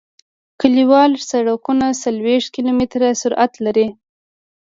کلیوال سرکونه څلویښت کیلومتره سرعت لري